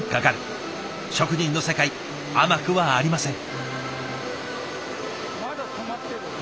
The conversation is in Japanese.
職人の世界甘くはありません。